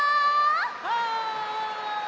はい！